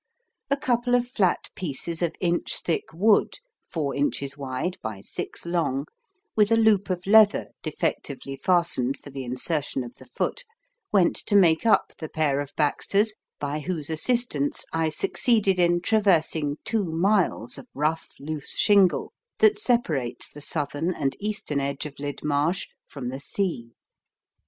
A couple of flat pieces of inch thick wood, four inches wide by six long, with a loop of leather defectively fastened for the insertion of the foot went to make up the pair of "backsters" by whose assistance I succeeded in traversing two miles of rough, loose shingle that separates the southern and eastern edge of Lydd marsh from the sea.